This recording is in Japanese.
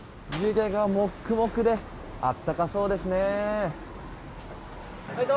湯気がもっくもくであったかそうですね。